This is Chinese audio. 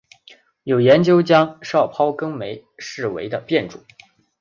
有研究将少孢根霉视为的变种。